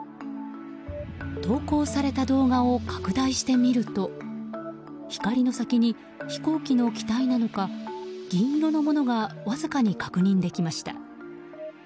投稿された動画を拡大してみると光の先に飛行機の機体なのか銀色のものがわずかに確認できました。